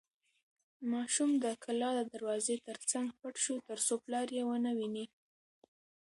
ماشوم د کلا د دروازې تر څنګ پټ شو ترڅو پلار یې ونه ویني.